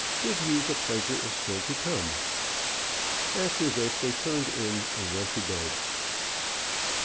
With you, the pleasure is still to come." After this they turned in and went to bed.